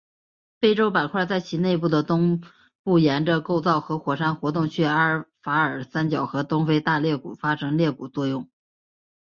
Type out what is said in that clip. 非洲板块在其内部的东部沿着构造和火山活动区阿法尔三角和东非大裂谷发生裂谷作用。